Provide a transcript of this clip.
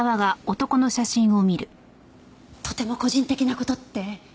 とても個人的な事って？